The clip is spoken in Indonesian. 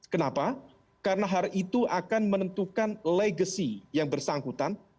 kenapa karena hal itu akan menentukan legacy yang bersangkutan